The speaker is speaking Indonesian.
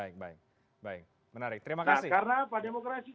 karena apa demokrasi